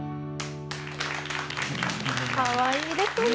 かわいいですね！